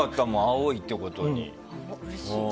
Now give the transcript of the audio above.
青いってことに。